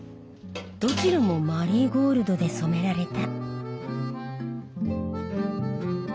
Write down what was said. どちらもマリーゴールドで染められた。